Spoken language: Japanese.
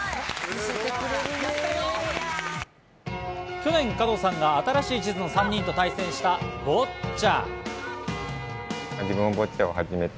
去年、加藤さんが新しい地図の３人と対戦したボッチャ。